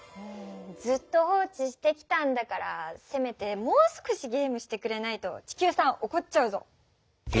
ずっと放置してきたんだからせめてもう少しゲームしてくれないと地球さんおこっちゃうぞ。